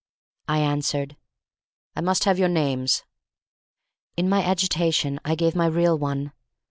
I answered. "I must have your names." In my agitation I gave my real one.